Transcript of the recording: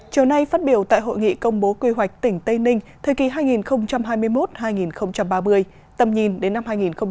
chiều nay phát biểu tại hội nghị công bố quy hoạch tỉnh tây ninh thời kỳ hai nghìn hai mươi một hai nghìn ba mươi tầm nhìn đến năm hai nghìn năm mươi